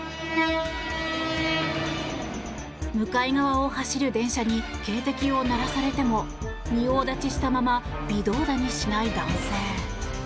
向かい側を走る電車に警笛を鳴らされても仁王立ちしたまま微動だにしない男性。